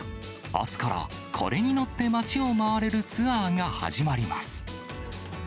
あすからこれに乗って街を回れるツアーが始まります。